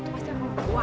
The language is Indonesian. pasti akan membuat alas